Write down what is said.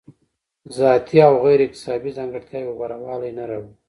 ذاتي او غیر اکتسابي ځانګړتیاوې غوره والی نه راوړي.